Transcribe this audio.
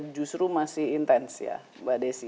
justru masih intens ya mbak desi